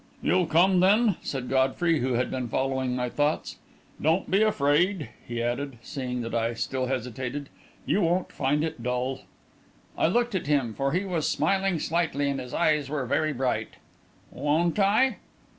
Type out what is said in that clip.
"You'll come, then?" said Godfrey, who had been following my thoughts. "Don't be afraid," he added, seeing that I still hesitated. "You won't find it dull." I looked at him, for he was smiling slightly and his eyes were very bright. "Won't I?"